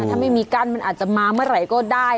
ถ้าไม่มีกั้นมันอาจจะมาเมื่อไหร่ก็ได้